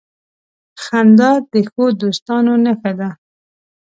• خندا د ښو دوستانو نښه ده.